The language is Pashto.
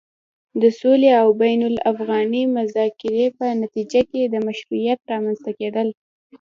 د سولې او بين الافغاني مذاکرې په نتيجه کې د مشروعيت رامنځته کېدل